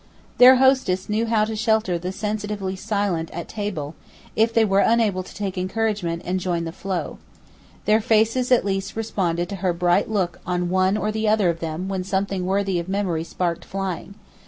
Their hostess knew how to shelter the sensitively silent at table, if they were unable to take encouragement and join the flow. Their faces at least responded to her bright look on one or the other of them when something worthy of memory sparkled flying.